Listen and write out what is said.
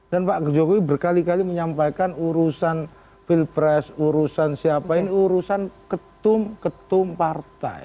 dan pak jokowi berkali kali menyampaikan urusan pilpres urusan siapa ini urusan ketum ketum partai